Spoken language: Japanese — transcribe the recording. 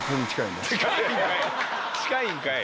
近いんかい！